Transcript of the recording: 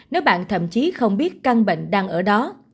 nếu bạn thậm chí không biết căn bệnh đang ở đó